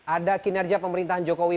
ada kinerja pemerintahan jokowi